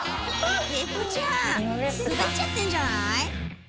別府ちゃんスベっちゃってんじゃない？